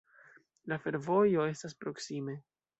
La fervojo estas proksime.